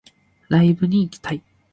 ライブに行きたい